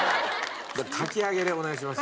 かき揚げでお願いします。